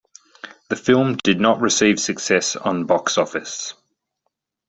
The film did not receive success on box office.